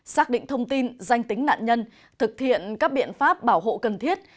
xác định thông tin danh tính nạn nhân thực hiện các biện pháp bảo hộ cần thiết